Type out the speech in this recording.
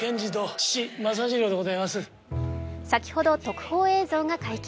先ほど特報影像が解禁。